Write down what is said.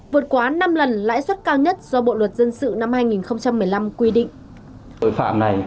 vượt quá năm lần lãi suất cao nhất do bộ luật dân sự năm hai nghìn một mươi năm quy định